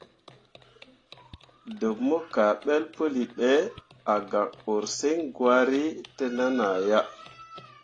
Ɗəḅ mo kaaɓəl pəli ɓe, a gak ursəŋ gwari təʼnan ah ya.